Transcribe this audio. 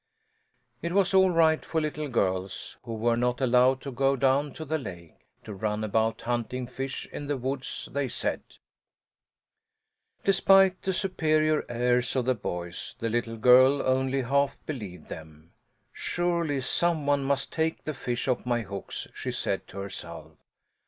It was all right for little girls, who were not allowed to go down to the lake, to run about hunting fish in the woods, they said. Despite the superior airs of the boys, the little girl only half believed them. "Surely someone must take the fish off my hooks!" she said to herself.